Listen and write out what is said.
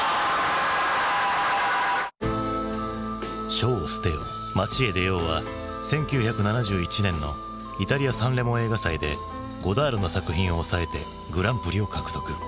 「書を捨てよ町へ出よう」は１９７１年のイタリアサンレモ映画祭でゴダールの作品をおさえてグランプリを獲得。